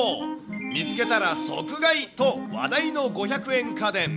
見つけたら即買いと、話題の５００円家電。